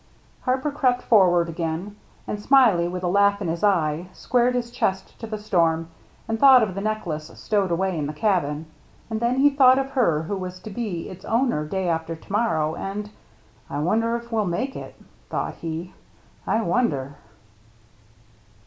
Harper crept forward again. And Smiley, with a laugh m his eye, squared his chest to 30 THE MERRT ANNE the storm, and thought of the necklace stowed away in the cabin ; and then he thought of her who was to be its owner day after to morrow, and " I wonder if we will make it," thought he ; "I wonder